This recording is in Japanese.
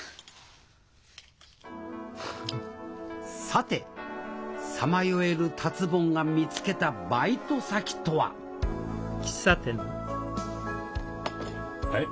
さてさまよえる達ぼんが見つけたバイト先とははい。